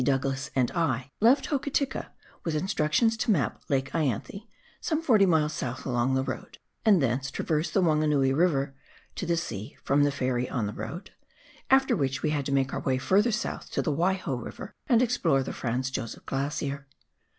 Douglas and I left Hoki tika, with instructions to map Lake lauthe, some 40 miles south along the road, and thence traverse the Wanganui E iver to the sea from the ferry on the road, after which we had to make our way further south to the Waiho E iver and explore the Franz Josef Glacier.